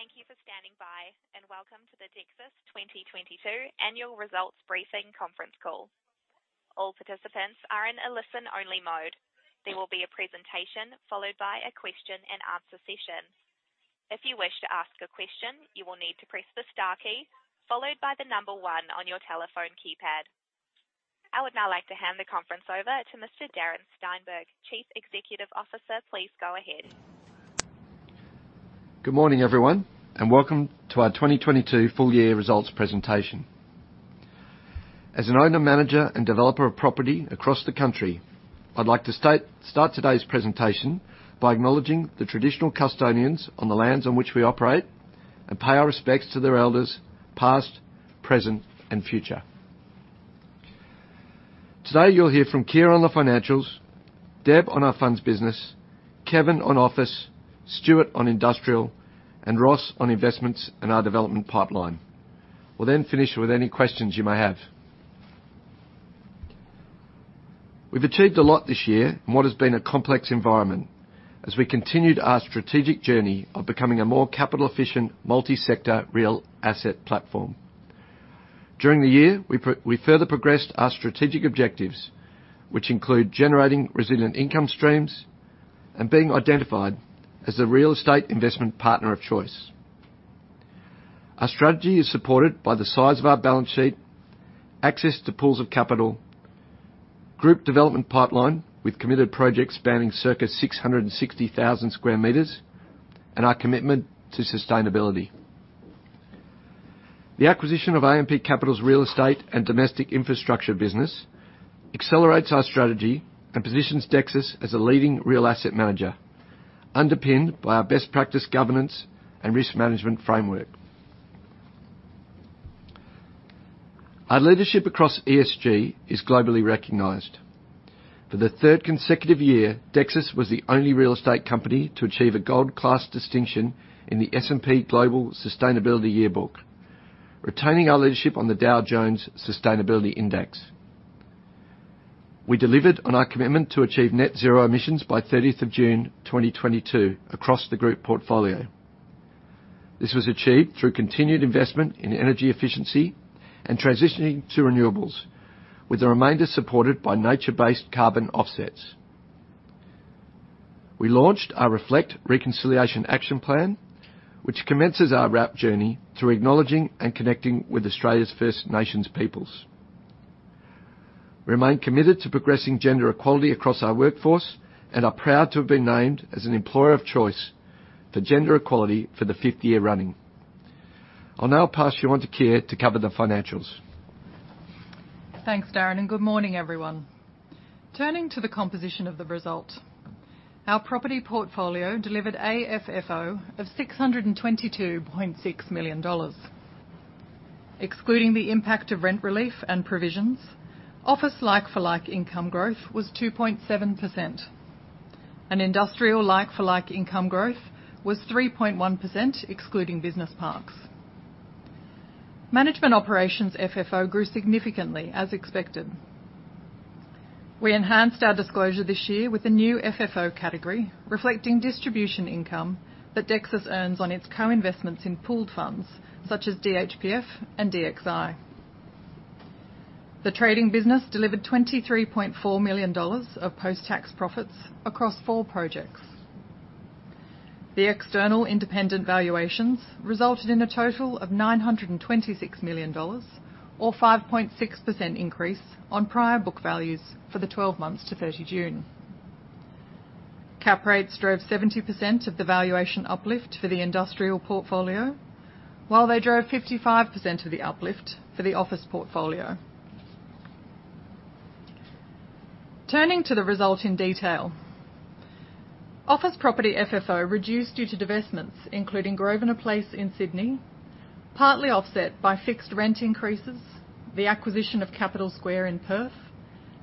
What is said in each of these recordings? Thank you for standing by, and welcome to the Dexus 2022 annual results briefing conference call. All participants are in a listen-only mode. There will be a presentation followed by a question and answer session. If you wish to ask a question, you will need to press the Star key followed by the number 1 on your telephone keypad. I would now like to hand the conference over to Mr. Darren Steinberg, Chief Executive Officer. Please go ahead. Good morning, everyone, and welcome to our 2022 full year results presentation. As an owner, manager, and developer of property across the country, I'd like to start today's presentation by acknowledging the traditional custodians on the lands on which we operate and pay our respects to their elders past, present, and future. Today, you'll hear from Keir on the financials, Deb on our funds business, Kevin on office, Stewart on industrial, and Ross on investments and our development pipeline. We'll then finish with any questions you may have. We've achieved a lot this year in what has been a complex environment as we continued our strategic journey of becoming a more capital efficient multi-sector real asset platform. During the year, we further progressed our strategic objectives, which include generating resilient income streams and being identified as the real estate investment partner of choice. Our strategy is supported by the size of our balance sheet, access to pools of capital, group development pipeline with committed projects spanning circa 660,000 m², and our commitment to sustainability. The acquisition of AMP Capital's real estate and domestic infrastructure business accelerates our strategy and positions Dexus as a leading real asset manager, underpinned by our best practice governance and risk management framework. Our leadership across ESG is globally recognized. For the third consecutive year, Dexus was the only real estate company to achieve a gold-class distinction in the S&P Global Sustainability Yearbook, retaining our leadership on the Dow Jones Sustainability Index. We delivered on our commitment to achieve net zero emissions by 30th of June 2022 across the group portfolio. This was achieved through continued investment in energy efficiency and transitioning to renewables, with the remainder supported by nature-based carbon offsets. We launched our Reflect Reconciliation Action Plan, which commences our RAP journey through acknowledging and connecting with Australia's First Nations peoples. We remain committed to progressing gender equality across our workforce and are proud to have been named as an employer of choice for gender equality for the fifth year running. I'll now pass you on to Keir to cover the financials. Thanks, Darren, and good morning, everyone. Turning to the composition of the result. Our property portfolio delivered AFFO of 622.6 million dollars. Excluding the impact of rent relief and provisions, office like-for-like income growth was 2.7%. Industrial like-for-like income growth was 3.1%, excluding business parks. Management operations' FFO grew significantly as expected. We enhanced our disclosure this year with a new FFO category reflecting distribution income that Dexus earns on its co-investments in pooled funds such as DHPF and DXI. The trading business delivered 23.4 million dollars of post-tax profits across four projects. The external independent valuations resulted in a total of 926 million dollars or 5.6% increase on prior book values for the twelve months to June 30. Cap rates drove 70% of the valuation uplift for the industrial portfolio, while they drove 55% of the uplift for the office portfolio. Turning to the result in detail. Office property FFO reduced due to divestments, including Grosvenor Place in Sydney, partly offset by fixed rent increases, the acquisition of Capital Square in Perth,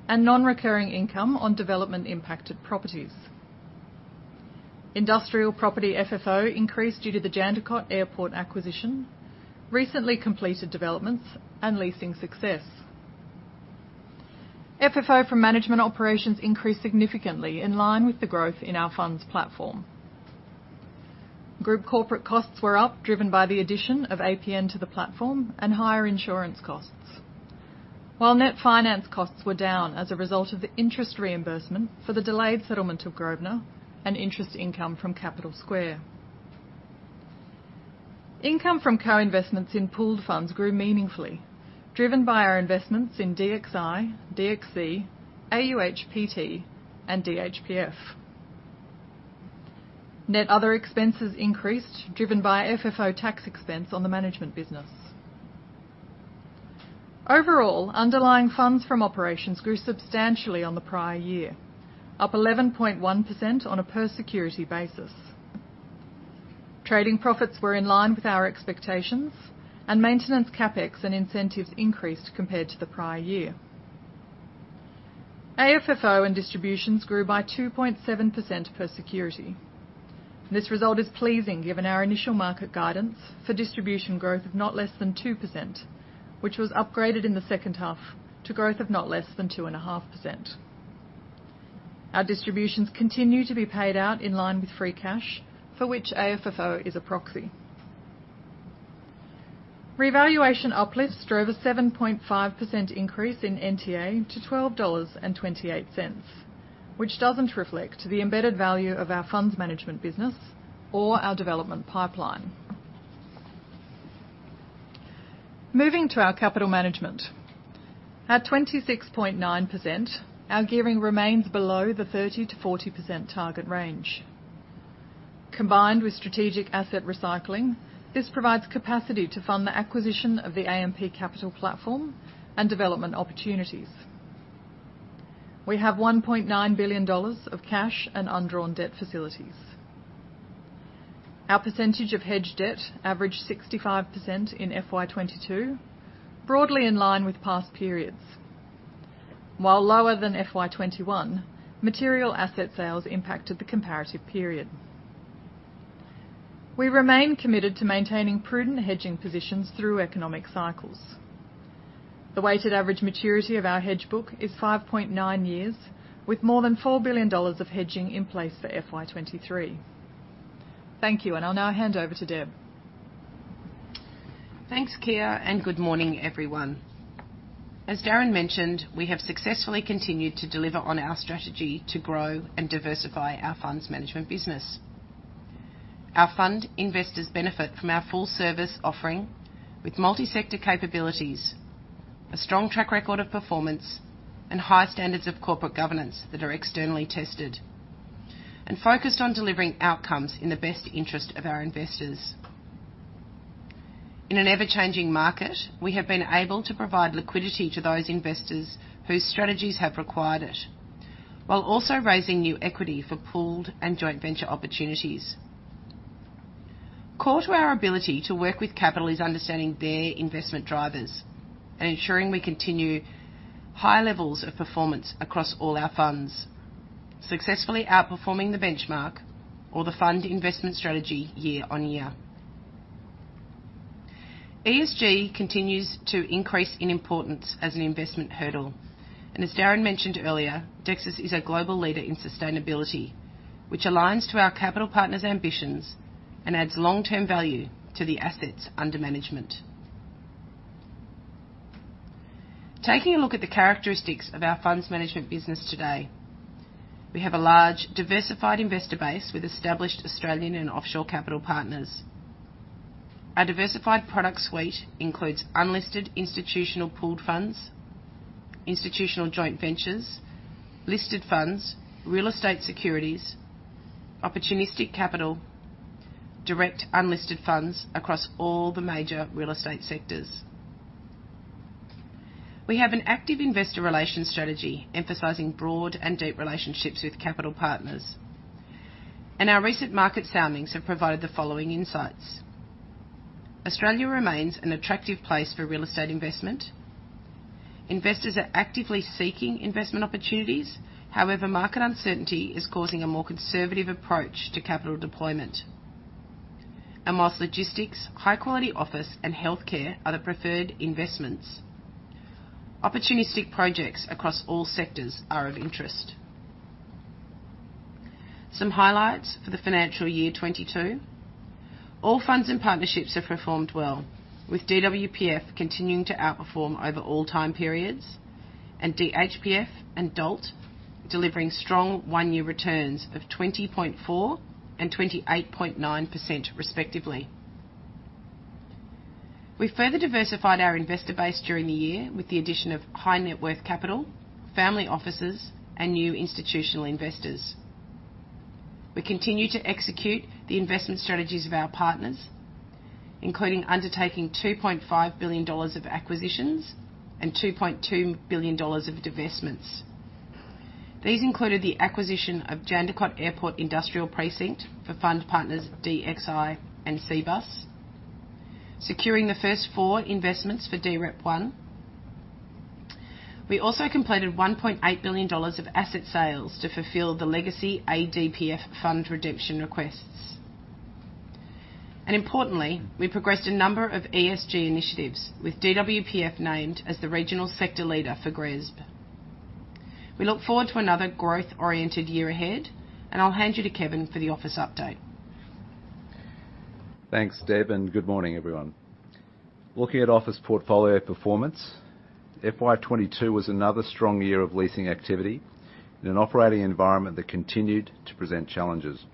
and non-recurring income on development impacted properties. Industrial property FFO increased due to the Jandakot Airport acquisition, recently completed developments, and leasing success. FFO from management operations increased significantly in line with the growth in our funds platform. Group corporate costs were up, driven by the addition of APN to the platform and higher insurance costs. Net finance costs were down as a result of the interest reimbursement for the delayed settlement of Grosvenor and interest income from Capital Square. Income from co-investments in pooled funds grew meaningfully, driven by our investments in DXI, DXC, AUHPT, and DHPF. Net other expenses increased, driven by FFO tax expense on the management business. Overall, underlying funds from operations grew substantially on the prior year, up 11.1% on a per security basis. Trading profits were in line with our expectations, and maintenance CapEx and incentives increased compared to the prior year. AFFO and distributions grew by 2.7% per security. This result is pleasing given our initial market guidance for distribution growth of not less than 2%, which was upgraded in the second half to growth of not less than 2.5%. Our distributions continue to be paid out in line with free cash for which AFFO is a proxy. Revaluation uplifts drove a 7.5% increase in NTA to 12.28 dollars, which doesn't reflect the embedded value of our funds management business or our development pipeline. Moving to our capital management. At 26.9%, our gearing remains below the 30%-40% target range. Combined with strategic asset recycling, this provides capacity to fund the acquisition of the AMP Capital platform and development opportunities. We have 1.9 billion dollars of cash and undrawn debt facilities. Our percentage of hedged debt averaged 65% in FY 2022, broadly in line with past periods. While lower than FY 2021, material asset sales impacted the comparative period. We remain committed to maintaining prudent hedging positions through economic cycles. The weighted average maturity of our hedge book is 5.9 years, with more than 4 billion dollars of hedging in place for FY 2023. Thank you, and I'll now hand over to Deb. Thanks, Keir, and good morning, everyone. As Darren mentioned, we have successfully continued to deliver on our strategy to grow and diversify our funds management business. Our fund investors benefit from our full service offering with multi-sector capabilities, a strong track record of performance, and high standards of corporate governance that are externally tested and focused on delivering outcomes in the best interest of our investors. In an ever-changing market, we have been able to provide liquidity to those investors whose strategies have required it, while also raising new equity for pooled and joint venture opportunities. Core to our ability to work with capital is understanding their investment drivers and ensuring we continue high levels of performance across all our funds, successfully outperforming the benchmark or the fund investment strategy year on year. ESG continues to increase in importance as an investment hurdle, and as Darren mentioned earlier, Dexus is a global leader in sustainability, which aligns to our capital partners' ambitions and adds long-term value to the assets under management. Taking a look at the characteristics of our funds management business today. We have a large diversified investor base with established Australian and offshore capital partners. Our diversified product suite includes unlisted institutional pooled funds, institutional joint ventures, listed funds, real estate securities, opportunistic capital, direct unlisted funds across all the major real estate sectors. We have an active investor relations strategy emphasizing broad and deep relationships with capital partners, and our recent market soundings have provided the following insights. Australia remains an attractive place for real estate investment. Investors are actively seeking investment opportunities. However, market uncertainty is causing a more conservative approach to capital deployment. While logistics, high quality office and healthcare are the preferred investments, opportunistic projects across all sectors are of interest. Some highlights for the financial year 2022. All funds and partnerships have performed well, with DWPF continuing to outperform over all time periods, and DHPF and DALT delivering strong one-year returns of 20.4% and 28.9% respectively. We further diversified our investor base during the year with the addition of high net worth capital, family offices, and new institutional investors. We continue to execute the investment strategies of our partners, including undertaking 2.5 billion dollars of acquisitions and 2.2 billion dollars of divestments. These included the acquisition of Jandakot Airport Industrial Precinct for fund partners DXI and Cbus, securing the first four investments for DREP one. We also completed 1.8 billion dollars of asset sales to fulfill the legacy ADPF fund redemption requests. Importantly, we progressed a number of ESG initiatives, with DWPF named as the regional sector leader for GRESB. We look forward to another growth-oriented year ahead, and I'll hand you to Kevin for the office update. Thanks, Deb, and good morning, everyone. Looking at office portfolio performance, FY 2022 was another strong year of leasing activity in an operating environment that continued to present challenges.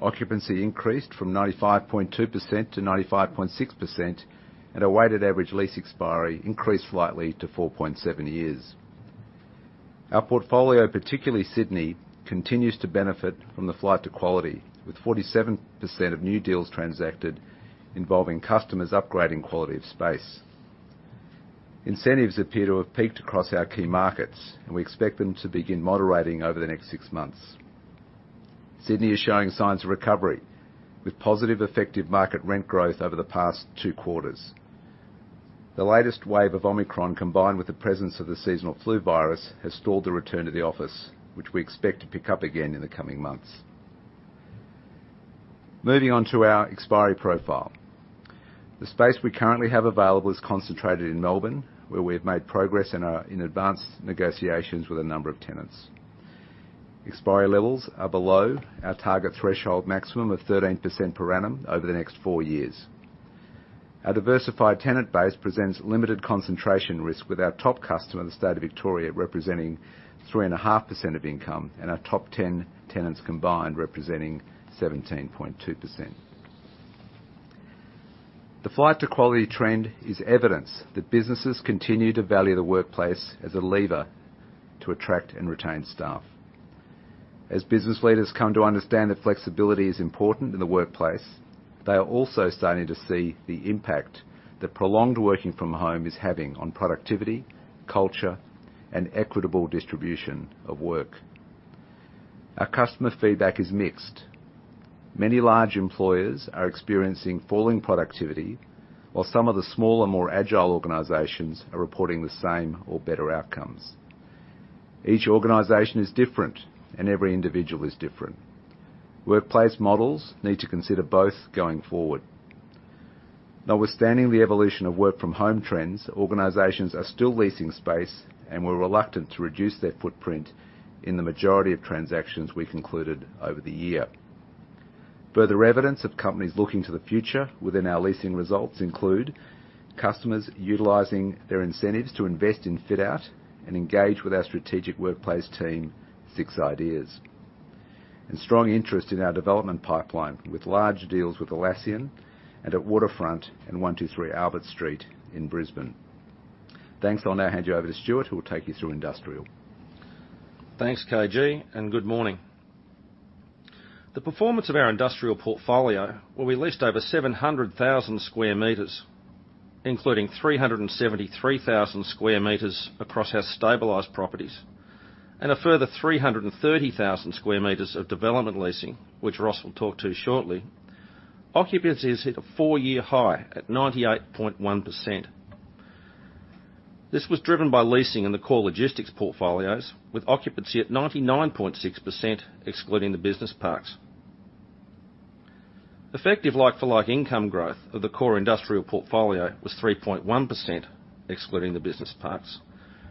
Occupancy increased from 95.2% to 95.6%, and a weighted average lease expiry increased slightly to 4.7 years. Our portfolio, particularly Sydney, continues to benefit from the flight to quality, with 47% of new deals transacted involving customers upgrading quality of space. Incentives appear to have peaked across our key markets, and we expect them to begin moderating over the next six months. Sydney is showing signs of recovery with positive effective market rent growth over the past two quarters. The latest wave of Omicron, combined with the presence of the seasonal flu virus, has stalled the return to the office, which we expect to pick up again in the coming months. Moving on to our expiry profile. The space we currently have available is concentrated in Melbourne, where we have made progress and are in advanced negotiations with a number of tenants. Expiry levels are below our target threshold maximum of 13% per annum over the next four years. Our diversified tenant base presents limited concentration risk with our top customer, the State of Victoria, representing 3.5% of income, and our top ten tenants combined representing 17.2%. The flight to quality trend is evidence that businesses continue to value the workplace as a lever to attract and retain staff. As business leaders come to understand that flexibility is important in the workplace, they are also starting to see the impact that prolonged working from home is having on productivity, culture, and equitable distribution of work. Our customer feedback is mixed. Many large employers are experiencing falling productivity, while some of the smaller, more agile organizations are reporting the same or better outcomes. Each organization is different, and every individual is different. Workplace models need to consider both going forward. Notwithstanding the evolution of work from home trends, organizations are still leasing space, and were reluctant to reduce their footprint in the majority of transactions we concluded over the year. Further evidence of companies looking to the future within our leasing results include customers utilizing their incentives to invest in fit-out and engage with our strategic workplace team, Six Ideas. Strong interest in our development pipeline with large deals with Atlassian and at Waterfront and 123 Albert Street in Brisbane. Thanks. I'll now hand you over to Stewart, who will take you through industrial. Thanks, KG, and good morning. The performance of our industrial portfolio, where we leased over 700,000 m², including 373,000 m² across our stabilized properties, and a further 330,000 m² of development leasing, which Ross will talk to shortly. Occupancy has hit a four-year high at 98.1%. This was driven by leasing in the core logistics portfolios, with occupancy at 99.6%, excluding the business parks. Effective like-for-like income growth of the core industrial portfolio was 3.1%, excluding the business parks.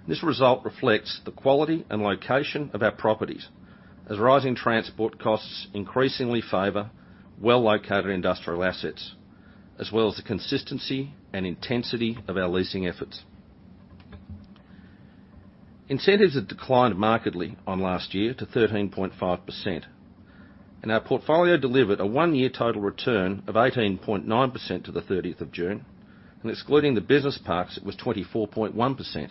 This result reflects the quality and location of our properties as rising transport costs increasingly favor well-located industrial assets, as well as the consistency and intensity of our leasing efforts. Incentives had declined markedly on last year to 13.5%, and our portfolio delivered a one-year total return of 18.9% to the 13th of June, and excluding the business parks, it was 24.1%.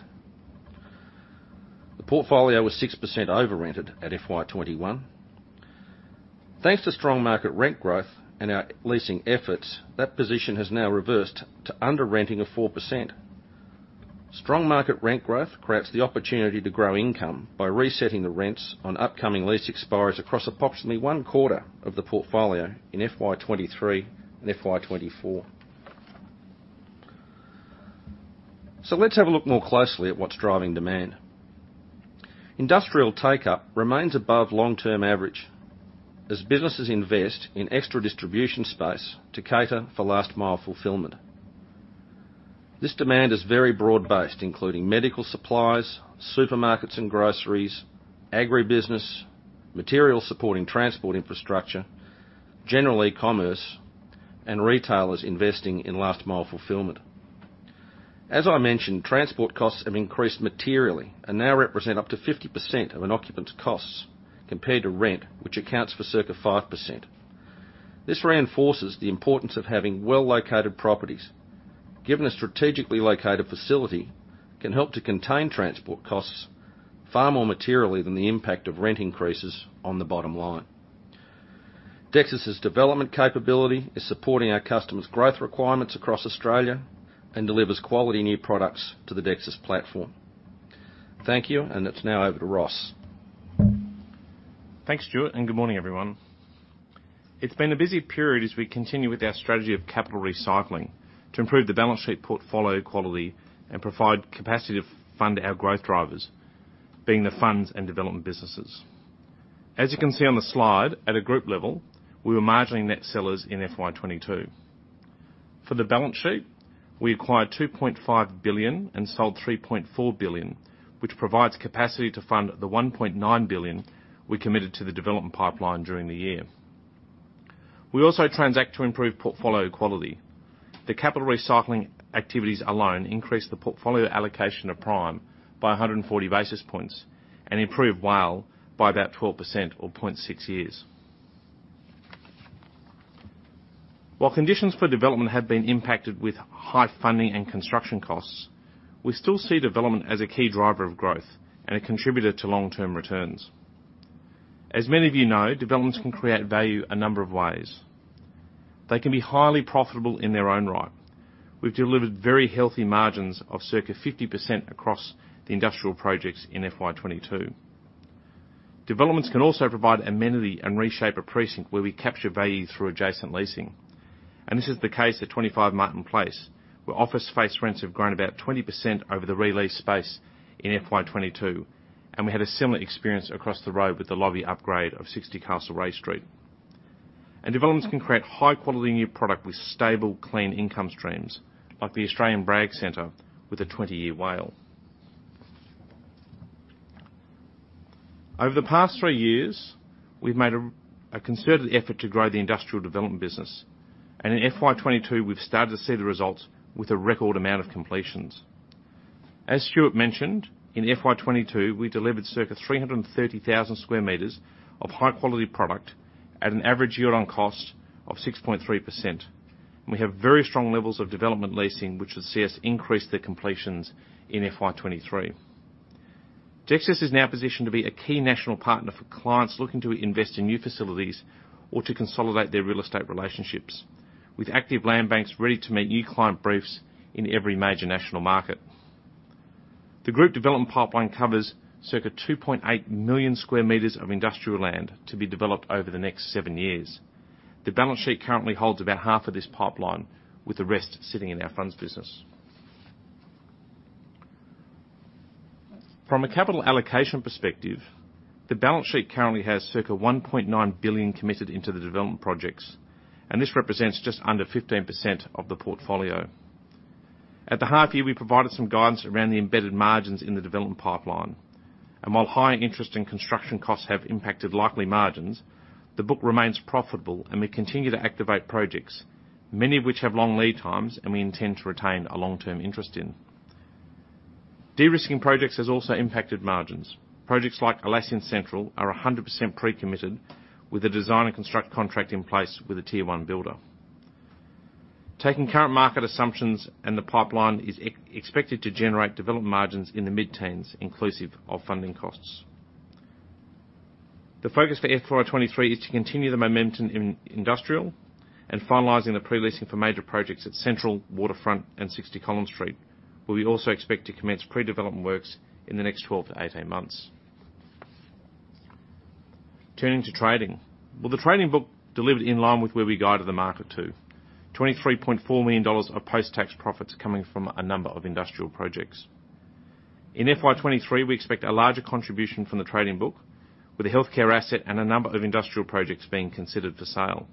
The portfolio was 6% over-rented at FY 2021. Thanks to strong market rent growth and our leasing efforts, that position has now reversed to under renting of 4%. Strong market rent growth creates the opportunity to grow income by resetting the rents on upcoming lease expiries across approximately one quarter of the portfolio in FY 2023 and FY 2024. Let's have a look more closely at what's driving demand. Industrial take-up remains above long-term average as businesses invest in extra distribution space to cater for last-mile fulfillment. This demand is very broad-based, including medical supplies, supermarkets and groceries, agribusiness, material supporting transport infrastructure, general e-commerce, and retailers investing in last-mile fulfillment. As I mentioned, transport costs have increased materially and now represent up to 50% of an occupant's costs compared to rent, which accounts for circa 5%. This reinforces the importance of having well-located properties, given a strategically located facility can help to contain transport costs far more materially than the impact of rent increases on the bottom line. Dexus's development capability is supporting our customers' growth requirements across Australia and delivers quality new products to the Dexus platform. Thank you, and it's now over to Ross. Thanks, Stewart, and good morning, everyone. It's been a busy period as we continue with our strategy of capital recycling to improve the balance sheet portfolio quality and provide capacity to fund our growth drivers, being the funds and development businesses. As you can see on the slide, at a group level, we were marginally net sellers in FY 2022. For the balance sheet, we acquired 2.5 billion and sold 3.4 billion, which provides capacity to fund the 1.9 billion we committed to the development pipeline during the year. We also transact to improve portfolio quality. The capital recycling activities alone increase the portfolio allocation of Prime by 140 basis points and improve WALE by about 12% or 0.6 years. While conditions for development have been impacted with high funding and construction costs, we still see development as a key driver of growth and a contributor to long-term returns. As many of you know, developments can create value a number of ways. They can be highly profitable in their own right. We've delivered very healthy margins of circa 50% across the industrial projects in FY 2022. Developments can also provide amenity and reshape a precinct where we capture value through adjacent leasing. This is the case at 25 Martin Place, where office space rents have grown about 20% over the re-lease space in FY 2022, and we had a similar experience across the road with the lobby upgrade of 60 Castlereagh Street. Developments can create high-quality new product with stable, clean income streams, like the Australian Bragg Centre with a 20-year WALE. Over the past three years, we've made a concerted effort to grow the industrial development business, and in FY 2022, we've started to see the results with a record amount of completions. As Stuart mentioned, in FY 2022, we delivered circa 330,000 m² of high-quality product at an average yield on cost of 6.3%. We have very strong levels of development leasing, which has seen us increase the completions in FY 2023. Dexus is now positioned to be a key national partner for clients looking to invest in new facilities or to consolidate their real estate relationships with active land banks ready to meet new client briefs in every major national market. The group development pipeline covers circa 2.8 million m² of industrial land to be developed over the next seven years. The balance sheet currently holds about half of this pipeline, with the rest sitting in our funds business. From a capital allocation perspective, the balance sheet currently has circa 1.9 billion committed into the development projects, and this represents just under 15% of the portfolio. At the half year, we provided some guidance around the embedded margins in the development pipeline. While high interest and construction costs have impacted likely margins, the book remains profitable and we continue to activate projects, many of which have long lead times, and we intend to retain a long-term interest in. De-risking projects has also impacted margins. Projects like Atlassian Central are 100% pre-committed with the design and construct contract in place with a tier one builder. Taking current market assumptions and the pipeline is expected to generate development margins in the mid-teens, inclusive of funding costs. The focus for FY 2023 is to continue the momentum in industrial and finalizing the pre-leasing for major projects at Atlassian Central, Waterfront, and 60 Collins Street, where we also expect to commence pre-development works in the next 12-18 months. Turning to trading. Well, the trading book delivered in line with where we guided the market to. AUD 23.4 million of post-tax profits coming from a number of industrial projects. In FY 2023, we expect a larger contribution from the trading book with a healthcare asset and a number of industrial projects being considered for sale.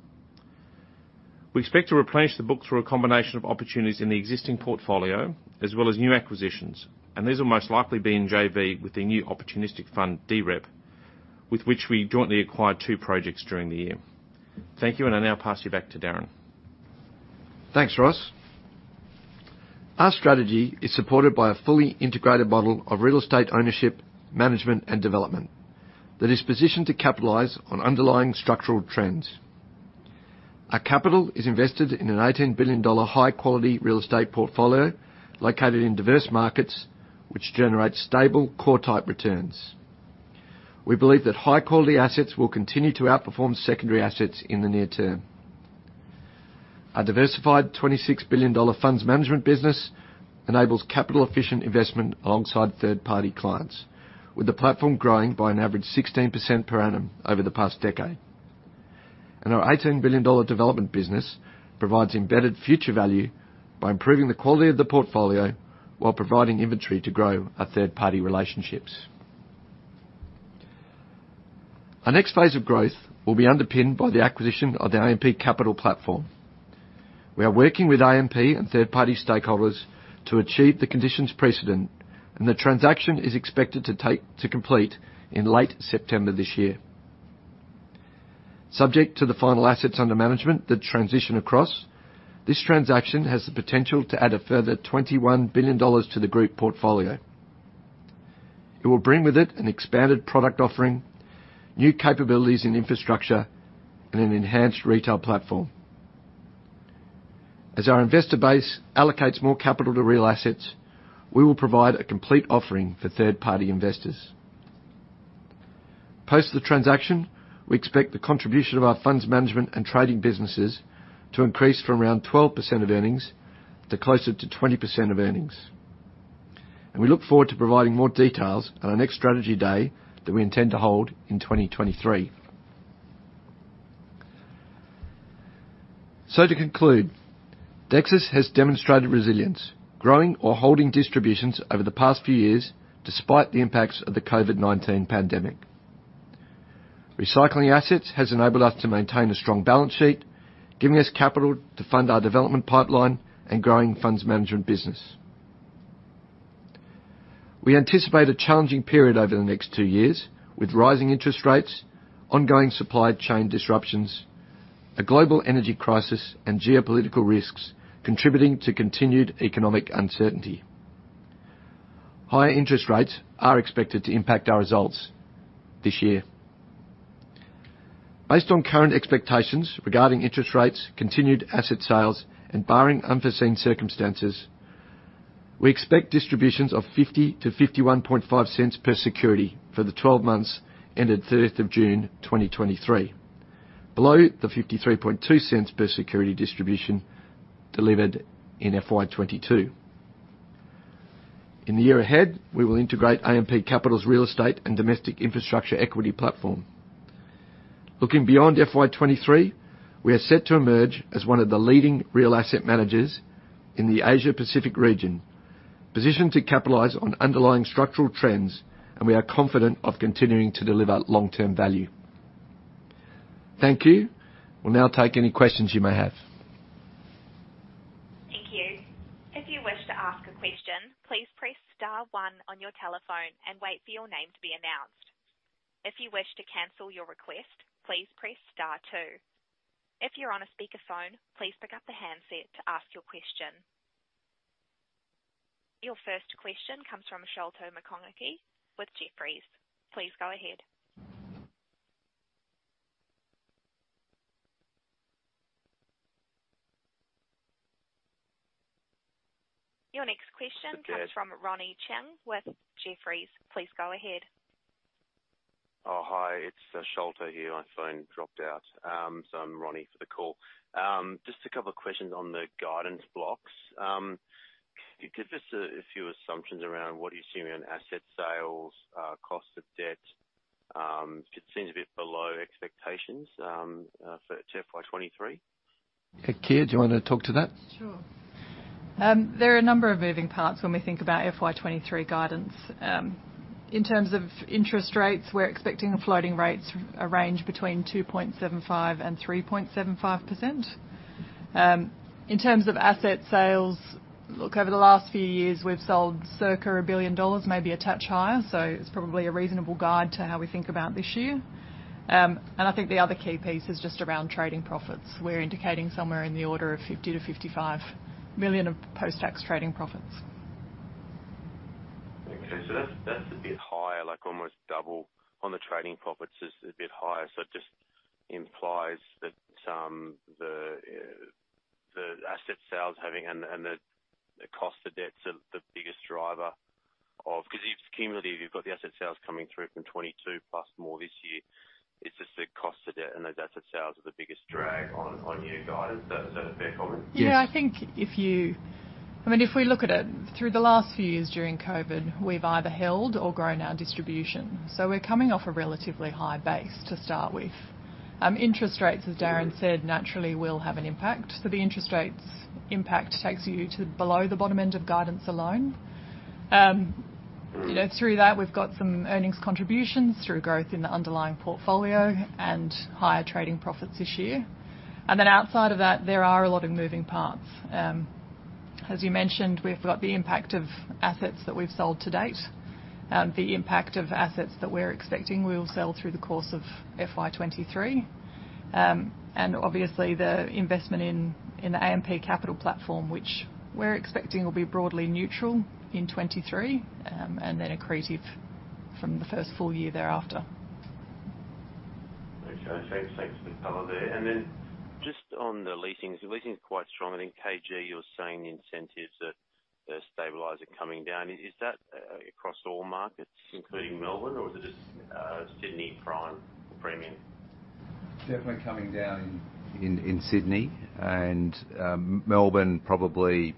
We expect to replenish the book through a combination of opportunities in the existing portfolio as well as new acquisitions, and these will most likely be in JV with the new opportunistic fund, DREP, with which we jointly acquired two projects during the year. Thank you, and I now pass you back to Darren. Thanks, Ross. Our strategy is supported by a fully integrated model of real estate ownership, management, and development that is positioned to capitalize on underlying structural trends. Our capital is invested in a AUD 18 billion high-quality real estate portfolio located in diverse markets, which generates stable core type returns. We believe that high-quality assets will continue to outperform secondary assets in the near term. Our diversified AUD 26 billion funds management business enables capital efficient investment alongside third-party clients, with the platform growing by an average 16% per annum over the past decade. Our 18 billion dollar development business provides embedded future value by improving the quality of the portfolio while providing inventory to grow our third-party relationships. Our next phase of growth will be underpinned by the acquisition of the AMP Capital platform. We are working with AMP and third-party stakeholders to achieve the conditions precedent, and the transaction is expected to complete in late September this year. Subject to the final assets under management that transition across, this transaction has the potential to add a further 21 billion dollars to the group portfolio. It will bring with it an expanded product offering, new capabilities in infrastructure, and an enhanced retail platform. As our investor base allocates more capital to real assets, we will provide a complete offering for third-party investors. Post the transaction, we expect the contribution of our funds management and trading businesses to increase from around 12% of earnings to closer to 20% of earnings. We look forward to providing more details on our next strategy day that we intend to hold in 2023. To conclude, Dexus has demonstrated resilience, growing or holding distributions over the past few years despite the impacts of the COVID-19 pandemic. Recycling assets has enabled us to maintain a strong balance sheet, giving us capital to fund our development pipeline and growing funds management business. We anticipate a challenging period over the next two years with rising interest rates, ongoing supply chain disruptions, a global energy crisis, and geopolitical risks contributing to continued economic uncertainty. Higher interest rates are expected to impact our results this year. Based on current expectations regarding interest rates, continued asset sales, and barring unforeseen circumstances, we expect distributions of 0.50-0.515 per security for the 12 months ended third of June 2023. Below the 0.532 per security distribution delivered in FY 2022. In the year ahead, we will integrate AMP Capital's real estate and domestic infrastructure equity platform. Looking beyond FY 2023, we are set to emerge as one of the leading real asset managers in the Asia-Pacific region, positioned to capitalize on underlying structural trends, and we are confident of continuing to deliver long-term value. Thank you. We'll now take any questions you may have. Thank you. If you wish to ask a question, please press star one on your telephone and wait for your name to be announced. If you wish to cancel your request, please press star two. If you're on a speakerphone, please pick up the handset to ask your question. Your first question comes from Sholto Maconochie with Jefferies. Please go ahead. Your next question comes from [Ronnie Cheng] with Jefferies. Please go ahead. Oh, hi. It's Sholto here. My phone dropped out. I'm back on for the call. Just a couple of questions on the guidance outlook. Can you give us a few assumptions around what are you seeing on asset sales, cost of debt? It seems a bit below expectations for FY23. Okay. Keir, do you wanna talk to that? Sure. There are a number of moving parts when we think about FY23 guidance. In terms of interest rates, we're expecting floating rates in a range between 2.75% and 3.75%. In terms of asset sales, look, over the last few years we've sold circa 1 billion dollars, maybe a touch higher, so it's probably a reasonable guide to how we think about this year. I think the other key piece is just around trading profits. We're indicating somewhere in the order of 50 million-55 million of post-tax trading profits. That's a bit higher, like almost double on the trading profits is a bit higher, so it just implies that the asset sales and the cost of debt are the biggest driver. 'Cause it's cumulative, you've got the asset sales coming through from 2022 plus more this year. It's just the cost of debt and those asset sales are the biggest drag on your guidance. Does that? Is that a fair comment? Yeah. If we look at it through the last few years during COVID, we've either held or grown our distribution. We're coming off a relatively high base to start with. Interest rates, as Darren said, naturally will have an impact. The interest rates impact takes you to below the bottom end of guidance alone. You know, through that, we've got some earnings contributions through growth in the underlying portfolio and higher trading profits this year. Outside of that, there are a lot of moving parts. As you mentioned, we've got the impact of assets that we've sold to date, the impact of assets that we're expecting we'll sell through the course of FY 2023, and obviously the investment in the AMP Capital platform, which we're expecting will be broadly neutral in 2023, and then accretive from the first full year thereafter. Okay. Thanks. Thanks for the color there. Then just on the leasings. The leasing is quite strong. I think, KG, you were saying the incentives that stabilizer coming down. Is that across all markets, including Melbourne, or is it just Sydney prime premium? Definitely coming down in Sydney and Melbourne probably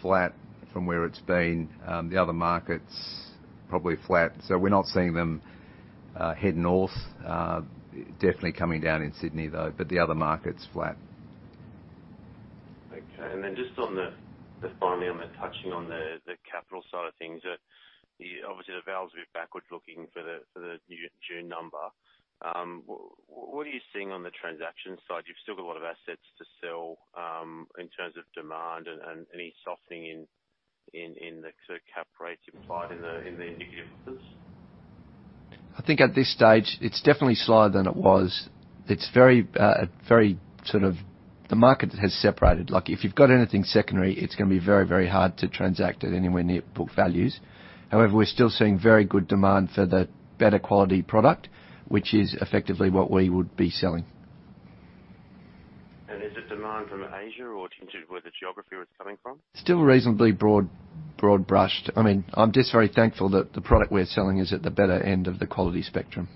flat from where it's been. The other markets probably flat. We're not seeing them head north. Definitely coming down in Sydney, though, but the other market's flat. Okay. Just finally touching on the capital side of things. Obviously the vals a bit backward looking for the June number. What are you seeing on the transaction side? You've still got a lot of assets to sell, in terms of demand and any softening in the sort of cap rates implied in the new deals? I think at this stage, it's definitely slower than it was. It's very, very sort of the market has separated. Like, if you've got anything secondary, it's gonna be very, very hard to transact at anywhere near book values. However, we're still seeing very good demand for the better quality product, which is effectively what we would be selling. Is the demand from Asia or intended where the geography was coming from? Still reasonably broad-brushed. I mean, I'm just very thankful that the product we're selling is at the better end of the quality spectrum.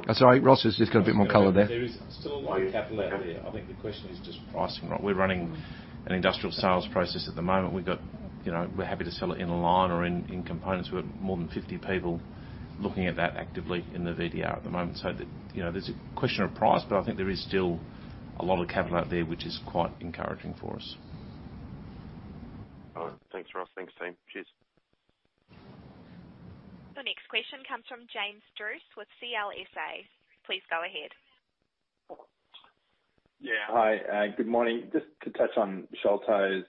I understand this. All right. Thanks very much. Sorry, Ross has just got a bit more color there. There is still a lot of capital out there. I think the question is just pricing, right? We're running an industrial sales process at the moment. We've got, you know, we're happy to sell it in a line or in components. We have more than 50 people looking at that actively in the VDR at the moment. The, you know, there's a question of price, but I think there is still a lot of capital out there, which is quite encouraging for us. All right. Thanks, Ross. Thanks, team. Cheers. The next question comes from James Druce with CLSA. Please go ahead. Hi, good morning. Just to touch on Sholto's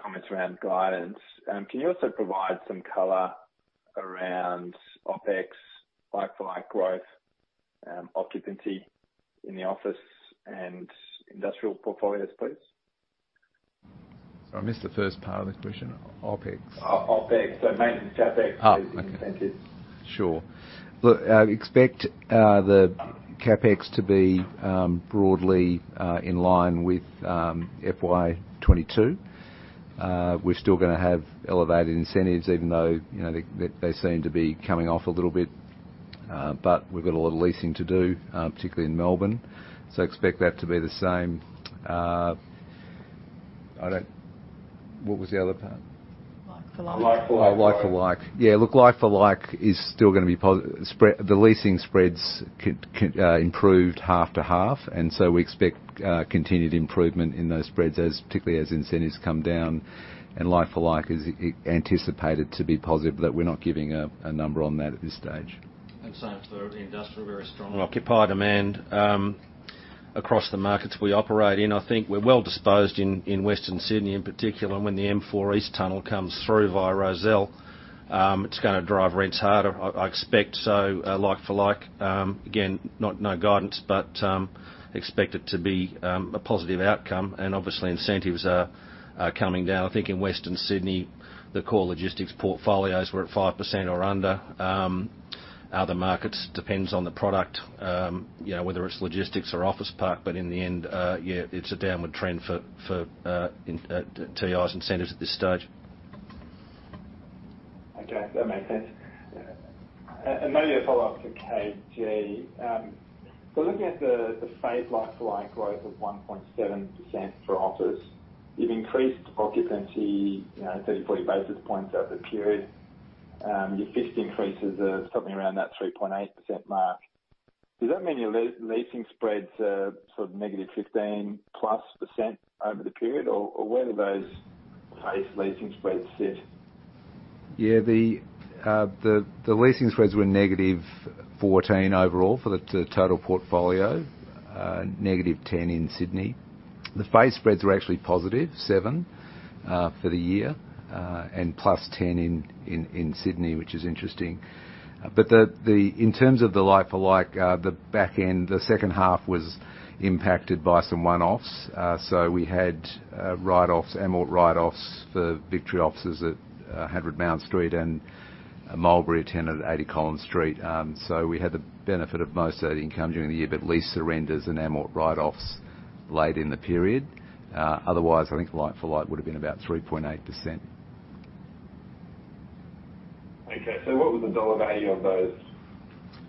comments around guidance, can you also provide some color around OpEx, like for like growth, occupancy in the office and industrial portfolios, please? Sorry, I missed the first part of the question. OpEx? OpEx. Maintenance CapEx incentives. Sure. Look, I expect the CapEx to be broadly in line with FY 2022. We're still gonna have elevated incentives even though, you know, they seem to be coming off a little bit. We've got a lot of leasing to do, particularly in Melbourne. Expect that to be the same. What was the other part? Like-for-like. Yeah, look, like for like is still gonna be. The leasing spreads could improve half to half, and so we expect continued improvement in those spreads, particularly as incentives come down and like for like is anticipated to be positive, but we're not giving a number on that at this stage. Same for the industrial, very strong. Occupier demand across the markets we operate in. I think we're well-disposed in Western Sydney in particular when the M4 East tunnel comes through via Rozelle. It's gonna drive rents harder. I expect so, like for like, again, no guidance, but expect it to be a positive outcome. Obviously incentives are coming down. I think in Western Sydney, the core logistics portfolios were at 5% or under. Other markets, depends on the product, you know, whether it's logistics or office park, but in the end, it's a downward trend for TO incentives at this stage. Okay. That makes sense. Maybe a follow-up to KG. Looking at the like-for-like growth of 1.7% for office, you've increased occupancy 30-40 basis points over the period. Your FFO increases are something around that 3.8% mark. Does that mean your leasing spreads are sort of negative 15%+ over the period or where do those like-for-like leasing spreads sit? The leasing spreads were -14% overall for the total portfolio. -10% in Sydney. The face spreads were actually +7% for the year, and +10% in Sydney, which is interesting. In terms of the like for like, the back end, the second half was impacted by some one-offs. So we had write-offs, amort write-offs for Victory Offices at 100 Mount Street and Mulberry tenant at 80 Collins Street. So we had the benefit of most of the income during the year, but lease surrenders and amort write-offs laid in the period. Otherwise, I think like for like would have been about 3.8%. Okay. What was the dollar value of those?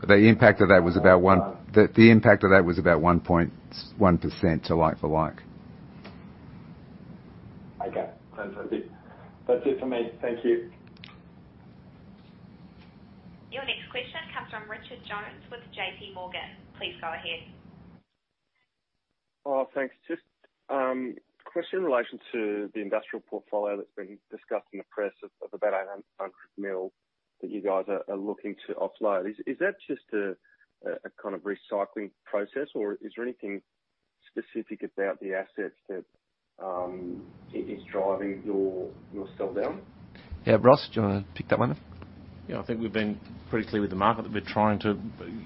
The impact of that was about one. The impact of that was about 1% to like-for-like. Okay. That's it for me. Thank you. Your next question comes from Richard Jones with JPMorgan. Please go ahead. Oh, thanks. Just a question in relation to the industrial portfolio that's been discussed in the press of about 100 million that you guys are looking to offload. Is that just a kind of recycling process or is there anything specific about the assets that is driving your sell down? Yeah. Ross, do you wanna pick that one up? Yeah. I think we've been pretty clear with the market that we're trying to,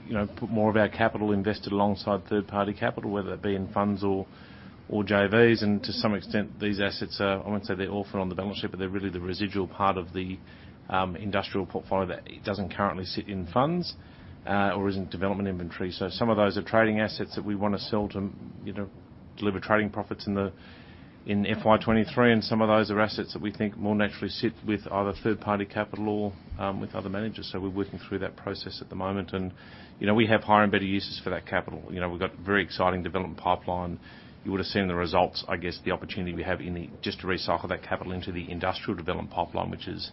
you know, put more of our capital invested alongside third party capital, whether it be in funds or JVs. To some extent, these assets are. I won't say they're all on the balance sheet, but they're really the residual part of the industrial portfolio that it doesn't currently sit in funds or is in development inventory. Some of those are trading assets that we wanna sell to, you know, deliver trading profits in FY 2023, and some of those are assets that we think more naturally sit with other third party capital or with other managers. We're working through that process at the moment. You know, we have higher and better uses for that capital. You know, we've got very exciting development pipeline. You would have seen the results, I guess, the opportunity we have just to recycle that capital into the industrial development pipeline, which is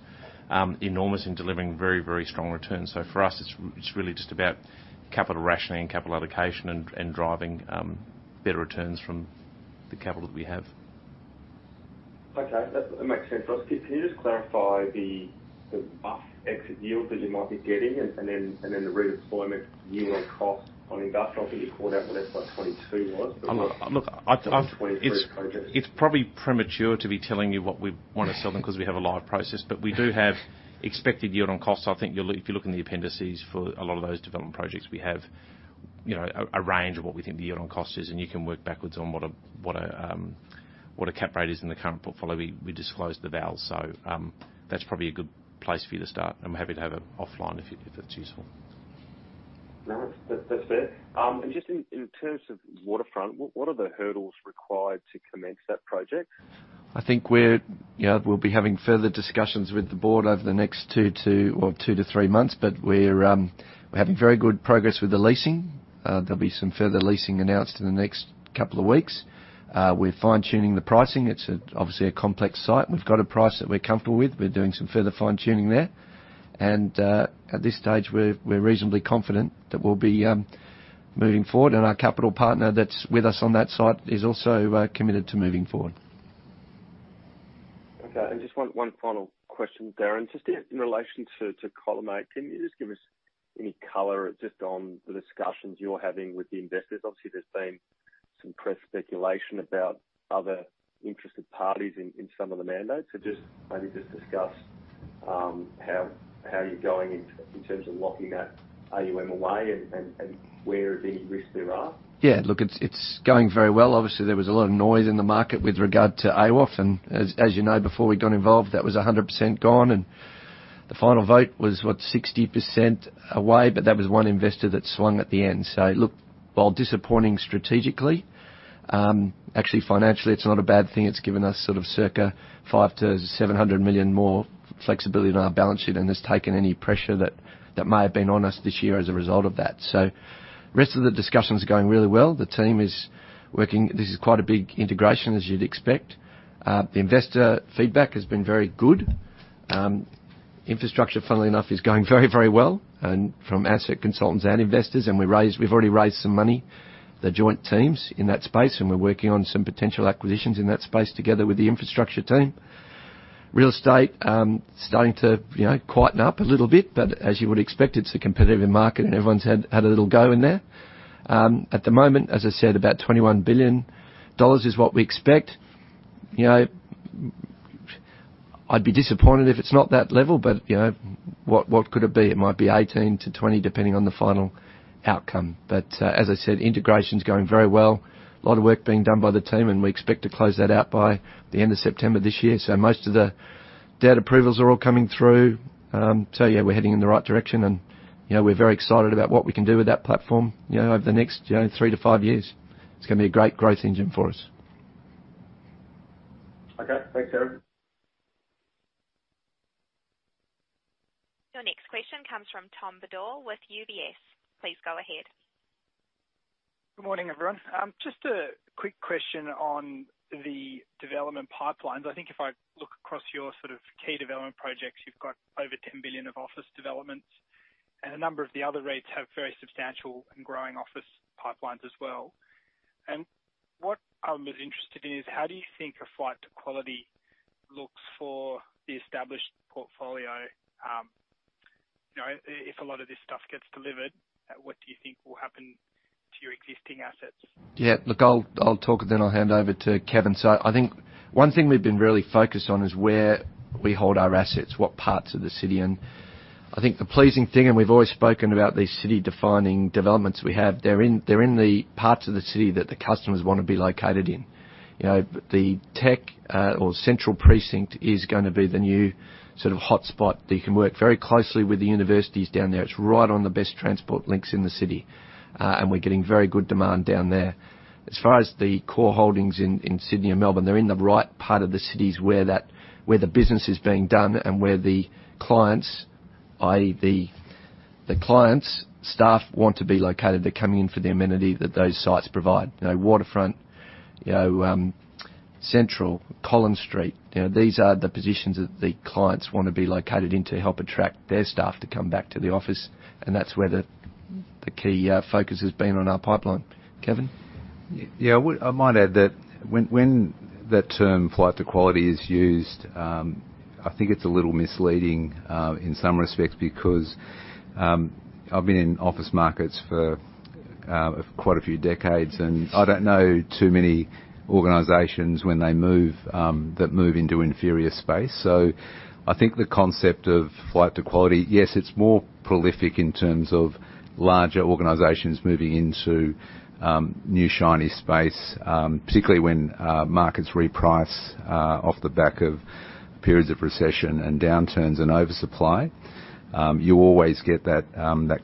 enormous in delivering very, very strong returns. For us, it's really just about capital rationing, capital allocation and driving better returns from the capital that we have. Okay. That makes sense. Ross, can you just clarify the book exit yield that you might be getting and then the redevelopment yield on cost on industrial? I think you called out what FY 2022 was, but. Look, I- It's probably premature to be telling you what we wanna sell them 'cause we have a live process. We do have expected yield on costs. I think if you look in the appendices for a lot of those development projects, we have, you know, a range of what we think the yield on cost is, and you can work backwards on what a cap rate is in the current portfolio. We disclosed the vals. That's probably a good place for you to start. I'm happy to have it offline if it's useful. No, that's fair. Just in terms of waterfront, what are the hurdles required to commence that project? I think we're, you know, we'll be having further discussions with the board over the next two to three months. We're having very good progress with the leasing. There'll be some further leasing announced in the next couple of weeks. We're fine-tuning the pricing. It's obviously a complex site. We've got a price that we're comfortable with. We're doing some further fine-tuning there. At this stage, we're reasonably confident that we'll be moving forward. Our capital partner that's with us on that site is also committed to moving forward. Okay. Just one final question, Darren. Just in relation to Collimate, can you just give us any color just on the discussions you're having with the investors? Obviously, there's been some press speculation about other interested parties in some of the mandates. Just maybe discuss how you're going in terms of locking that AUM away and where any risks there are. Yeah. Look, it's going very well. Obviously, there was a lot of noise in the market with regard to AWOF. As you know, before we got involved, that was 100% gone. The final vote was, what, 60% away, but that was one investor that swung at the end. Look- While disappointing strategically, actually financially, it's not a bad thing. It's given us sort of circa 500 million-700 million more flexibility in our balance sheet, and it's taken any pressure that may have been on us this year as a result of that. The rest of the discussion is going really well. The team is working. This is quite a big integration, as you'd expect. The investor feedback has been very good. Infrastructure funnily enough is going very, very well and from asset consultants and investors, and we've already raised some money, the joint teams in that space, and we're working on some potential acquisitions in that space together with the infrastructure team. Real estate starting to, you know, tighten up a little bit, but as you would expect, it's a competitive market and everyone's had a little go in there. At the moment, as I said, about 21 billion dollars is what we expect. You know, I'd be disappointed if it's not that level, but, you know, what could it be? It might be 18 billion-20 billion, depending on the final outcome. Integration is going very well. A lot of work being done by the team, and we expect to close that out by the end of September this year. Most of the debt approvals are all coming through. Yeah, we're heading in the right direction and, you know, we're very excited about what we can do with that platform, you know, over the next, you know, three-five years. It's gonna be a great growth engine for us. Okay. Thanks, Darren. Your next question comes from Tom Bodor with UBS. Please go ahead. Good morning, everyone. Just a quick question on the development pipelines. I think if I look across your sort of key development projects, you've got over 10 billion of office developments, and a number of the other REITs have very substantial and growing office pipelines as well. What I'm interested in is how do you think a flight to quality looks for the established portfolio? You know, if a lot of this stuff gets delivered, what do you think will happen to your existing assets? Yeah. Look, I'll talk, then I'll hand over to Kevin. I think one thing we've been really focused on is where we hold our assets, what parts of the city in. I think the pleasing thing, we've always spoken about these city-defining developments we have, they're in the parts of the city that the customers wanna be located in. You know, the tech or central precinct is gonna be the new sort of hotspot. They can work very closely with the universities down there. It's right on the best transport links in the city, and we're getting very good demand down there. As far as the core holdings in Sydney and Melbourne, they're in the right part of the cities where the business is being done and where the clients, i.e. the clients' staff want to be located. They're coming in for the amenity that those sites provide. You know, waterfront, you know, Central, Collins Street, you know, these are the positions that the clients wanna be located in to help attract their staff to come back to the office, and that's where the key focus has been on our pipeline. Kevin. Yeah. I might add that when that term flight to quality is used, I think it's a little misleading in some respects because I've been in office markets for quite a few decades, and I don't know too many organizations when they move into inferior space. I think the concept of flight to quality, yes, it's more prolific in terms of larger organizations moving into new shiny space, particularly when markets reprice off the back of periods of recession and downturns and oversupply. You always get that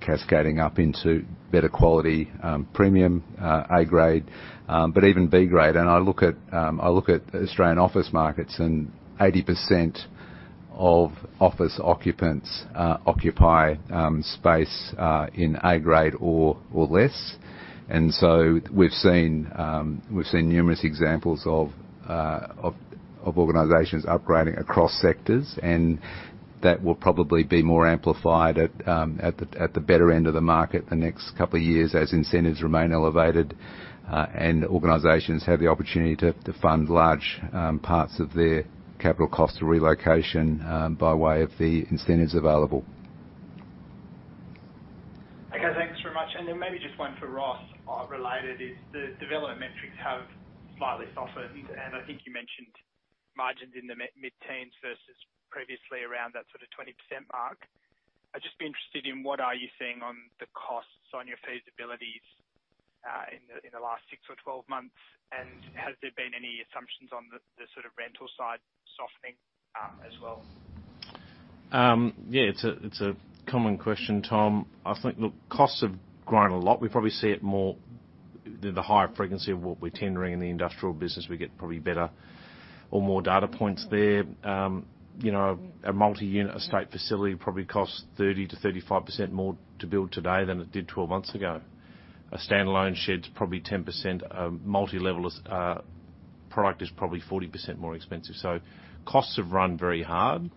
cascading up into better quality, premium, A-grade, but even B-grade. I look at Australian office markets and 80% of office occupants occupy space in A-grade or less. We've seen numerous examples of organizations upgrading across sectors, and that will probably be more amplified at the better end of the market the next couple of years as incentives remain elevated, and organizations have the opportunity to fund large parts of their capital cost of relocation by way of the incentives available. Okay, thanks very much. Maybe just one for Ross. Related is the development metrics have slightly softened, and I think you mentioned margins in the mid-teens versus previously around that sort of 20% mark. I'd just be interested in what are you seeing on the costs on your feasibilities in the last six or 12 months? Has there been any assumptions on the sort of rental side softening as well? Yeah, it's a common question, Tom. I think, look, costs have grown a lot. We probably see it more, the higher frequency of what we're tendering in the industrial business, we get probably better or more data points there. You know, a multi-unit estate facility probably costs 30%-35% more to build today than it did 12 months ago. A standalone shed's probably 10%. A multi-level product is probably 40% more expensive. Costs have run very hard.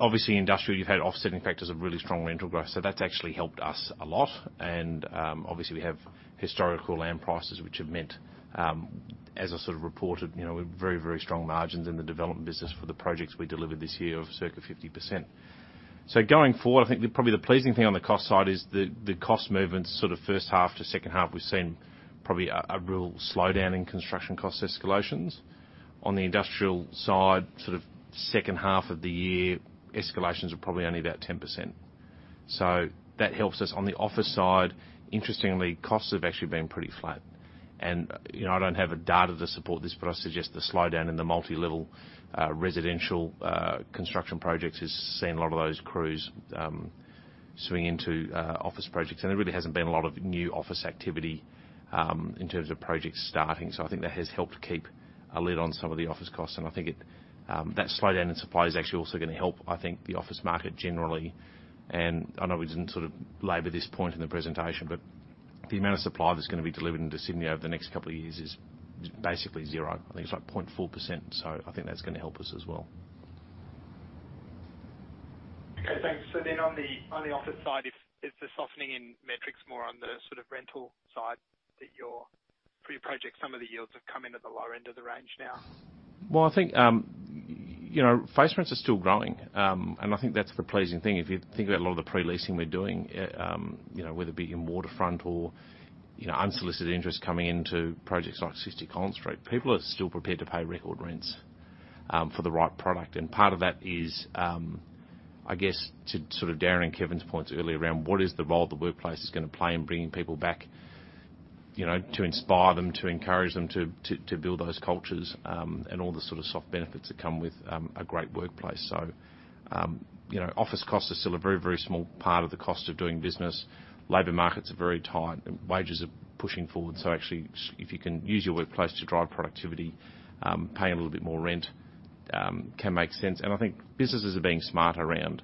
Obviously, industrial, you've had offsetting factors of really strong rental growth. That's actually helped us a lot. Obviously we have historical land prices, which have meant, as I sort of reported, you know, very, very strong margins in the development business for the projects we delivered this year of circa 50%. Going forward, I think probably the pleasing thing on the cost side is the cost movements, sort of first half to second half. We've seen probably a real slowdown in construction cost escalations. On the industrial side, sort of second half of the year, escalations were probably only about 10%. So that helps us. On the office side, interestingly, costs have actually been pretty flat. You know, I don't have any data to support this, but I suggest the slowdown in the multilevel residential construction projects has seen a lot of those crews swing into office projects. There really hasn't been a lot of new office activity in terms of projects starting. I think that has helped keep a lid on some of the office costs, and I think it that slowdown in supply is actually also gonna help, I think the office market generally. I know we didn't sort of labor this point in the presentation, but the amount of supply that's gonna be delivered into Sydney over the next couple of years is just basically zero. I think it's like 0.4%. I think that's gonna help us as well. Okay, thanks. On the office side, is the softening in metrics more on the sort of rental side that your pre-commitment, some of the yields have come in at the lower end of the range now? Well, I think you know, face rents are still growing. I think that's the pleasing thing. If you think about a lot of the pre-leasing we're doing, you know, whether it be in Waterfront or, you know, unsolicited interest coming into projects like 60 Collins Street, people are still prepared to pay record rents for the right product. Part of that is, I guess to sort of Darren and Kevin's points earlier around what is the role the workplace is gonna play in bringing people back, you know, to inspire them, to encourage them to build those cultures, and all the sort of soft benefits that come with a great workplace. You know, office cost is still a very, very small part of the cost of doing business. Labor markets are very tight, and wages are pushing forward. Actually, if you can use your workplace to drive productivity, paying a little bit more rent can make sense. I think businesses are being smart around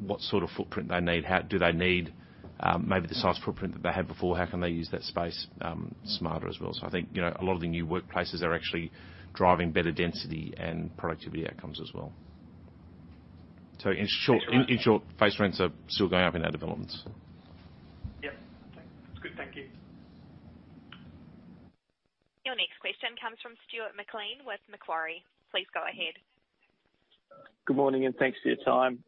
what sort of footprint they need. Do they need maybe the size footprint that they had before? How can they use that space smarter as well? I think, you know, a lot of the new workplaces are actually driving better density and productivity outcomes as well. In short, face rents are still going up in our developments. Yep. Okay. That's good. Thank you. Your next question comes from Stuart McLean with Macquarie. Please go ahead. Good morning, and thanks for your time.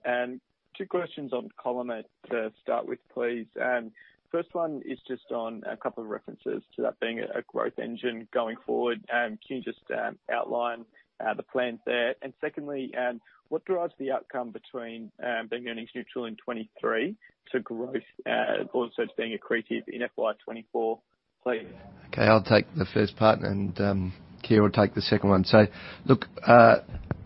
Two questions on Collimate to start with, please. First one is just on a couple of references to that being a growth engine going forward. Can you just outline the plan there? Secondly, what drives the outcome between being earnings neutral in 2023 to growth and also to being accretive in FY 2024, please? Okay, I'll take the first part, and Keir will take the second one. Look,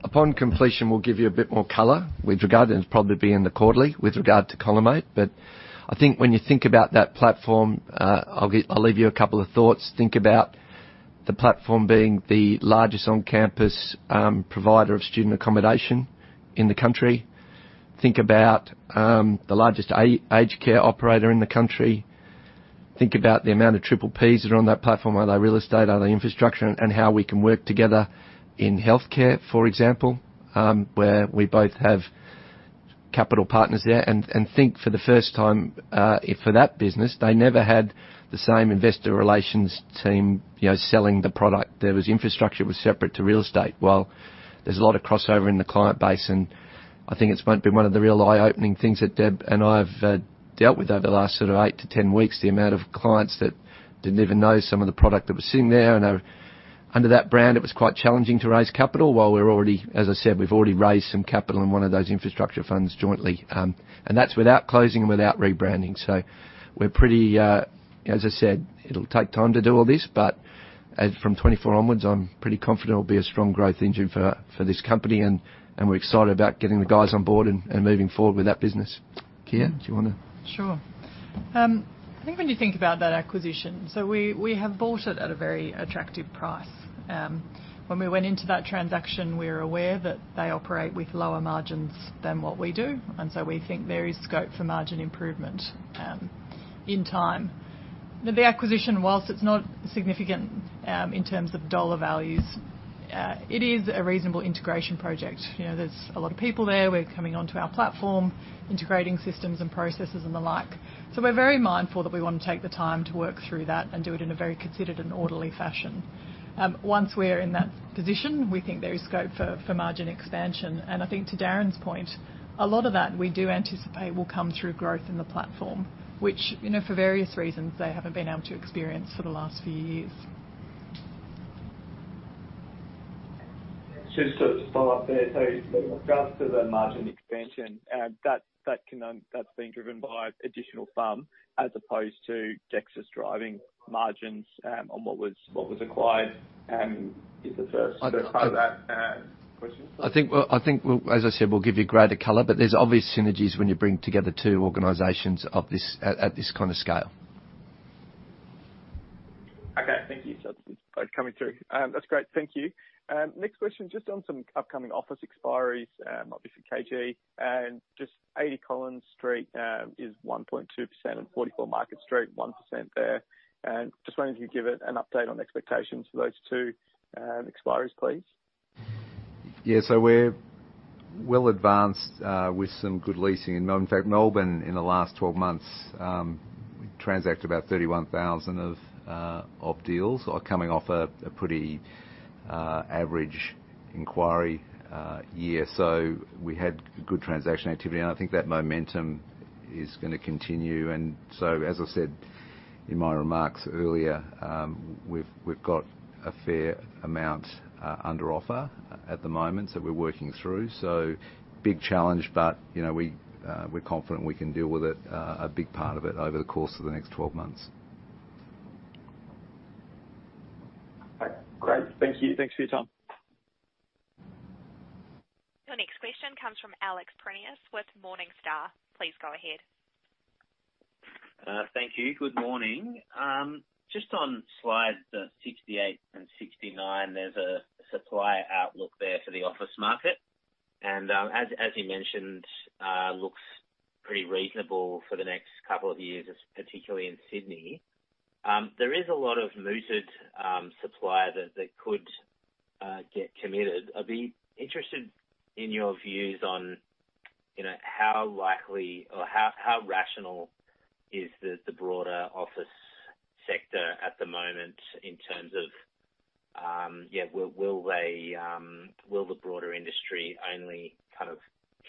upon completion, we'll give you a bit more color with regard, and it'll probably be in the quarterly with regard to Collimate. I think when you think about that platform, I'll leave you a couple of thoughts. Think about the platform being the largest on-campus provider of student accommodation in the country. Think about the largest aged care operator in the country. Think about the amount of PPPs that are on that platform. Are they real estate? Are they infrastructure? And how we can work together in healthcare, for example, where we both have capital partners there. And think for the first time, for that business, they never had the same investor relations team, you know, selling the product. There was infrastructure separate to real estate while there's a lot of crossover in the client base. I think it's going to be one of the real eye-opening things that Deb and I have dealt with over the last sort of eight-10 weeks, the amount of clients that didn't even know some of the product that was sitting there. Under that brand, it was quite challenging to raise capital. As I said, we've already raised some capital in one of those infrastructure funds jointly. That's without closing and without rebranding. We're pretty, as I said, it'll take time to do all this, but from 2024 onwards, I'm pretty confident it'll be a strong growth engine for this company and we're excited about getting the guys on board and moving forward with that business. Keir, do you wanna? Sure. I think when you think about that acquisition, so we have bought it at a very attractive price. When we went into that transaction, we were aware that they operate with lower margins than what we do, and so we think there is scope for margin improvement, in time. The acquisition, whilst it's not significant, in terms of dollar values, it is a reasonable integration project. You know, there's a lot of people there. We're coming onto our platform, integrating systems and processes and the like. So we're very mindful that we want to take the time to work through that and do it in a very considered and orderly fashion. Once we're in that position, we think there is scope for margin expansion. I think to Darren's point, a lot of that we do anticipate will come through growth in the platform, which, you know, for various reasons, they haven't been able to experience for the last few years. Just to follow up there. With regards to the margin expansion, that's being driven by additional income as opposed to Dexus's driving margins on what was acquired, is the first part of that question. I think, well, as I said, we'll give you greater color, but there's obvious synergies when you bring together two organizations of this at this kind of scale. Okay. Thank you. Coming through. That's great. Thank you. Next question, just on some upcoming office expiries, obviously KG and just 80 Collins Street is 1.2% and 44 Market Street, 1% there. Just wondering if you could give an update on expectations for those two expiries, please. Yeah. We're well advanced with some good leasing. In fact, Melbourne in the last 12 months transacted about 31,000 of office deals or coming off a pretty average inquiry year. We had good transaction activity, and I think that momentum is gonna continue. As I said in my remarks earlier. We've got a fair amount under offer at the moment that we're working through. Big challenge, but, you know, we're confident we can deal with it, a big part of it over the course of the next 12 months. Great. Thank you. Thanks for your time. Your next question comes from Alex Prineas with Morningstar. Please go ahead. Thank you. Good morning. Just on slides 68 and 69, there's a supply outlook there for the office market, and, as you mentioned, looks pretty reasonable for the next couple of years, particularly in Sydney. There is a lot of mooted supply that could get committed. I'd be interested in your views on, you know, how likely or how rational is the broader office sector at the moment in terms of, yeah, will the broader industry only kind of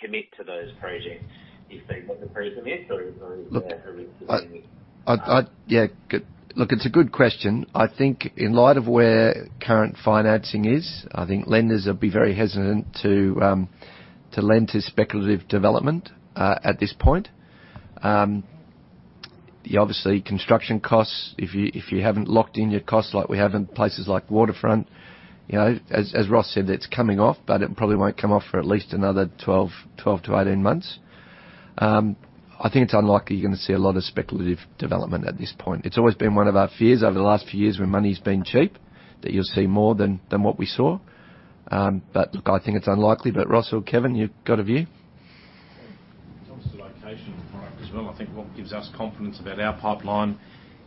commit to those projects if they meet the pre-commitment or are there risks there? Yeah. Good. Look, it's a good question. I think in light of where current financing is, I think lenders will be very hesitant to lend to speculative development at this point. Yeah, obviously, construction costs, if you haven't locked in your costs like we have in places like Waterfront, you know, as Ross said, it's coming off, but it probably won't come off for at least another 12-18 months. I think it's unlikely you're gonna see a lot of speculative development at this point. It's always been one of our fears over the last few years where money's been cheap, that you'll see more than what we saw. Look, I think it's unlikely. Ross or Kevin, you've got a view? In terms of location as well, I think what gives us confidence about our pipeline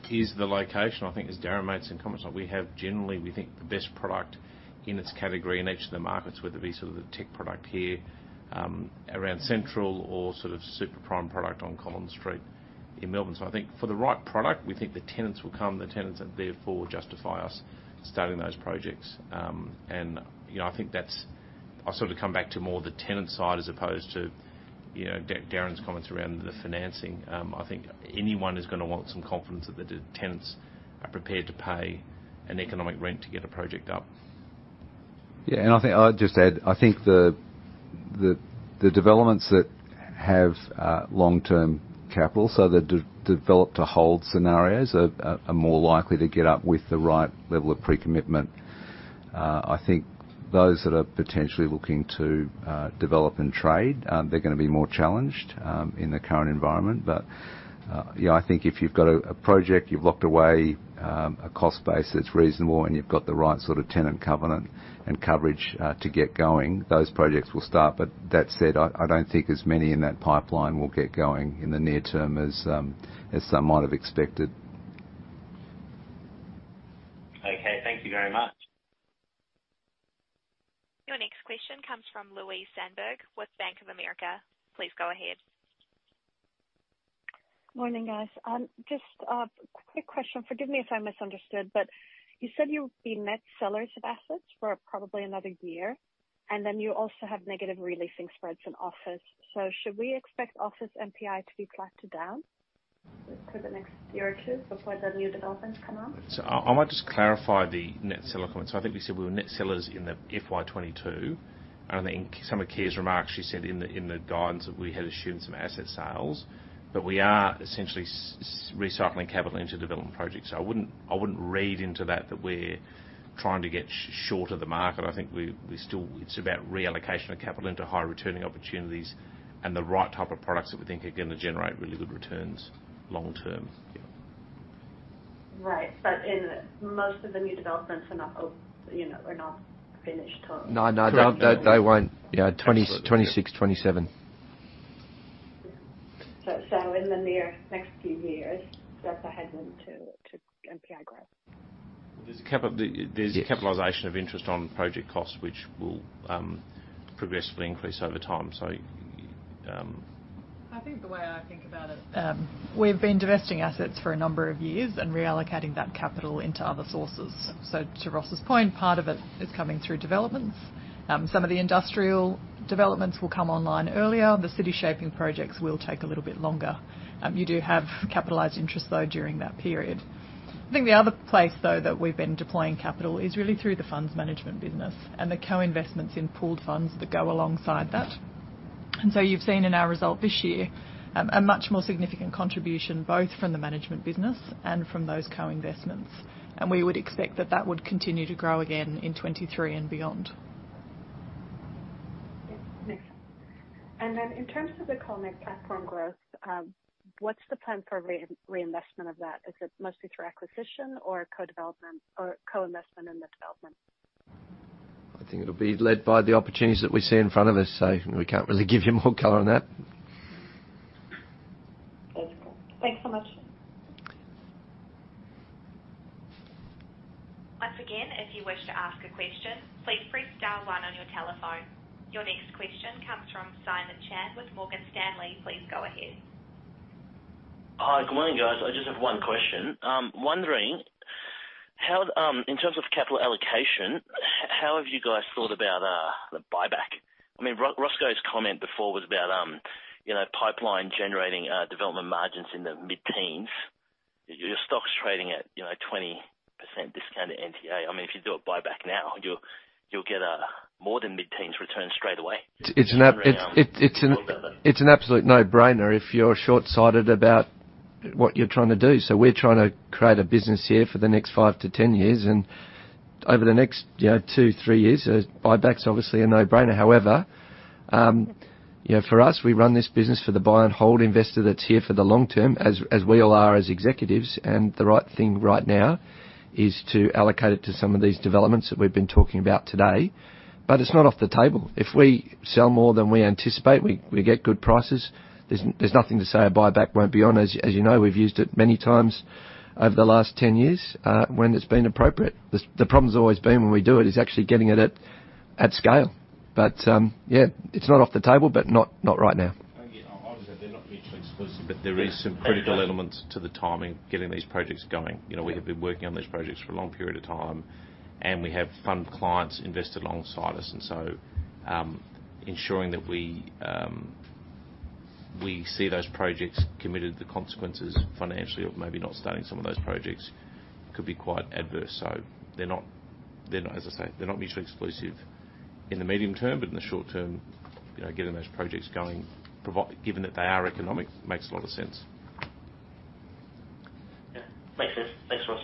is the location. I think as Darren made some comments on, we have generally, we think, the best product in its category in each of the markets, whether it be sort of the tech product here, around Central or sort of super prime product on Collins Street in Melbourne. I think for the right product, we think the tenants will come, the tenants therefore justify us starting those projects. You know, I think that's. I sort of come back to more of the tenant side as opposed to, you know, Darren's comments around the financing. I think anyone is gonna want some confidence that the tenants are prepared to pay an economic rent to get a project up. Yeah, I think I'll just add. I think the developments that have long-term capital, so the develop-to-hold scenarios are more likely to get up with the right level of pre-commitment. I think those that are potentially looking to develop and trade, they're gonna be more challenged in the current environment. Yeah, I think if you've got a project, you've locked away a cost base that's reasonable and you've got the right sort of tenant covenant and coverage to get going, those projects will start. That said, I don't think as many in that pipeline will get going in the near term as some might have expected. Okay. Thank you very much. Your next question comes from Louise Sandberg with Bank of America. Please go ahead. Morning, guys. Just a quick question. Forgive me if I misunderstood, but you said you'll be net sellers of assets for probably another year, and then you also have negative re-leasing spreads in office. Should we expect office NPI to be flat to down for the next year or two before the new developments come on? I might just clarify the net seller comment. I think we said we were net sellers in the FY 2022, and I think some of Keir's remarks, she said in the guidance that we had assumed some asset sales, but we are essentially recycling capital into development projects. I wouldn't read into that we're trying to get shorter the market. I think we still. It's about reallocation of capital into higher returning opportunities and the right type of products that we think are gonna generate really good returns long term. Yeah. Right. Most of the new developments are not, you know, finished till. No, they won't. Yeah, 2026, 2027. In the next few years, that's a headwind to NPI growth. There's capitalization of interest on project costs, which will progressively increase over time. I think the way I think about it, we've been divesting assets for a number of years and reallocating that capital into other sources. To Ross's point, part of it is coming through developments. Some of the industrial developments will come online earlier. The city shaping projects will take a little bit longer. You do have capitalized interest, though, during that period. I think the other place, though, that we've been deploying capital is really through the funds management business and the co-investments in pooled funds that go alongside that. You've seen in our result this year, a much more significant contribution, both from the management business and from those co-investments. We would expect that that would continue to grow again in 2023 and beyond. Yes. Makes sense. In terms of the Collimate platform growth, what's the plan for reinvestment of that? Is it mostly for acquisition or co-development or co-investment in the development? I think it'll be led by the opportunities that we see in front of us, so we can't really give you more color on that. That's cool. Thanks so much. Once again, if you wish to ask a question, please press star one on your telephone. Your next question comes from Simon Chan with Morgan Stanley. Please go ahead. Hi. Good morning, guys. I just have one question. Wondering how, in terms of capital allocation. What have you guys thought about the buyback? I mean, Ross's comment before was about, you know, pipeline generating development margins in the mid-teens. Your stock's trading at, you know, 20% discount to NTA. I mean, if you do a buyback now, you'll get a more than mid-teens return straight away. It's an absolute no-brainer if you're shortsighted about what you're trying to do. We're trying to create a business here for the next five-10 years. Over the next, you know, two-three years, a buyback's obviously a no-brainer. However, you know, for us, we run this business for the buy and hold investor that's here for the long term, as we all are as executives. The right thing right now is to allocate it to some of these developments that we've been talking about today. It's not off the table. If we sell more than we anticipate, we get good prices, there's nothing to say a buyback won't be on. As you know, we've used it many times over the last 10 years, when it's been appropriate. The problem's always been when we do it is actually getting it at scale. Yeah, it's not off the table, but not right now. Yeah. Obviously, they're not mutually exclusive, but there is some critical elements to the timing, getting these projects going. You know, we have been working on these projects for a long period of time, and we have fund clients invested alongside us. Ensuring that we see those projects committed, the consequences financially of maybe not starting some of those projects could be quite adverse. They're not, as I say, they're not mutually exclusive in the medium term, but in the short term, you know, getting those projects going given that they are economic, makes a lot of sense. Yeah. Thanks, Darren. Thanks, Ross.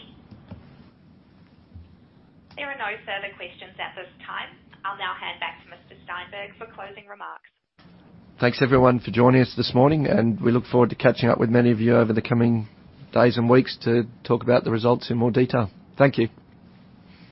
There are no further questions at this time. I'll now hand back to Mr. Steinberg for closing remarks. Thanks everyone for joining us this morning, and we look forward to catching up with many of you over the coming days and weeks to talk about the results in more detail. Thank you.